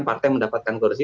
partai mendapatkan kursi